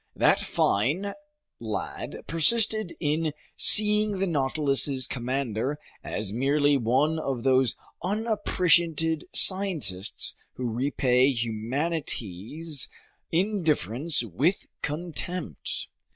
That fine lad persisted in seeing the Nautilus's commander as merely one of those unappreciated scientists who repay humanity's indifference with contempt.